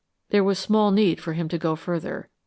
There was small need for him to go further.